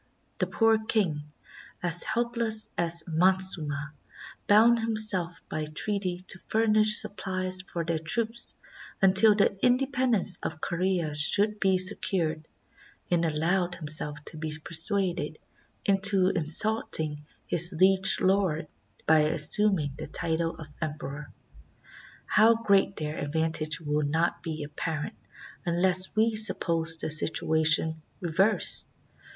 The poor king, as helpless as Montezuma, bound himself by treaty to furnish supplies for their troops until the independence of Corea should be se cured, and allowed himself to be persuaded into insult ing his liege lord by assuming the title of emperor. How great their advantage will not be apparent unless we suppose the situation reversed.